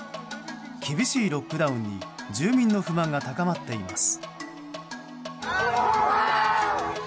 厳しいロックダウンに住民の不満が高まっています。